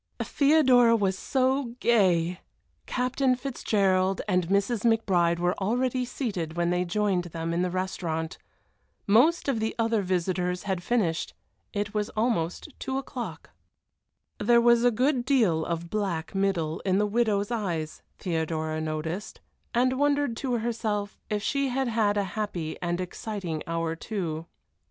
Theodora was so gay! Captain Fitzgerald and Mrs. McBride were already seated when they joined them in the restaurant. Most of the other visitors had finished it was almost two o'clock. There was a good deal of black middle in the widow's eyes, Theodora noticed, and wondered to herself if she had had a happy and exciting hour too.